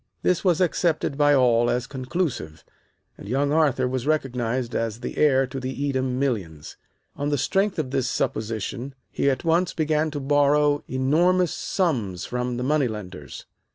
This was accepted by all as conclusive, and young Arthur was recognized as the heir to the Edam millions. On the strength of this supposition he at once began to borrow enormous sums from the money lenders.